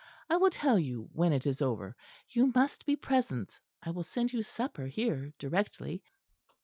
I will tell you when it is over. You must be present. I will send you supper here directly."